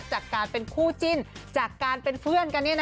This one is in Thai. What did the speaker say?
จากการเป็นคู่จิ้นจากการเป็นเพื่อนกัน